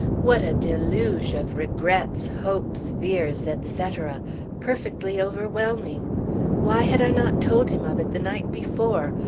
What a deluge of regrets, hopes, fears, etc. Perfectly overwhelming. Why had I not told him of it the night before?